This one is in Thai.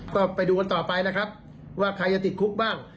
ก็ไปดูกันต่อไปนะครับว่าใครจะติดคุกบ้าง